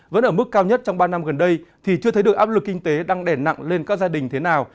vẫn ở mức cao nhất trong ba năm gần đây thì chưa thấy được áp lực kinh tế đang đè nặng lên các gia đình thế nào